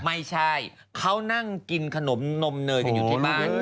ไม่ใช่เขานั่งกินขนมนมเนยกันอยู่ที่บ้าน